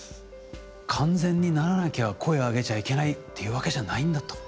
完全にならなきゃ声を上げちゃいけないっていうわけじゃないんだと。